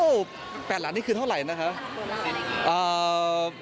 โอ้แปดละนี้คือเท่าไหร่นะครับ